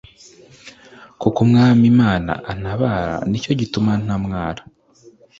” Kuko Umwami Imana izantabara ni cyo gituma ntamwara